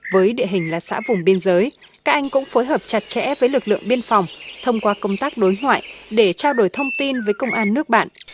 với địa hình là xã vùng biên giới các anh cũng phối hợp chặt chẽ với lực lượng biên phòng thông qua công tác đối ngoại để trao đổi thông tin với công an nước bạn